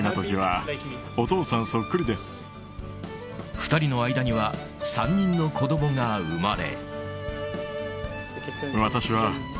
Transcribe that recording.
２人の間には３人の子供が生まれ。